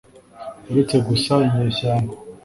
uretse gusa inyeshyamba